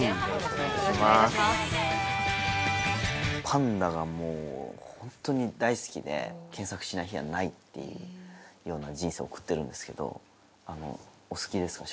パンダがもうホントに大好きで検索しない日はないっていうような人生を送ってるんですけどお好きですか？